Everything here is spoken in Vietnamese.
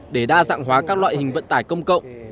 để đa dạng hóa các loại hình vận tải công cộng